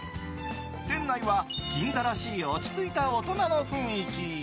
店内は、銀座らしい落ち着いた大人の雰囲気。